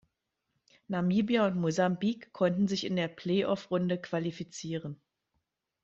Namibia und Mosambik konnten sich in der Play-off-Runde qualifizieren.